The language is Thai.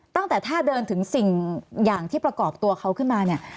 ตั้งแต่ถ้าเดินถึงสิ่งอย่างที่ประกอบตัวเขาขึ้นมาเนี่ย